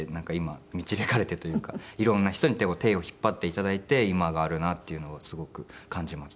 導かれてというか色んな人に手を引っ張って頂いて今があるなっていうのをすごく感じます。